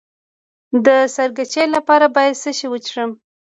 د سرګیچي لپاره باید څه شی وڅښم؟